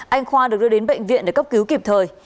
anh khoa được đưa đến bệnh viện để cấp cứu kịp thời